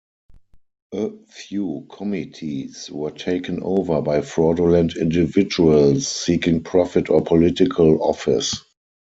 A few committees were taken over by fraudulent individuals seeking profit or political office.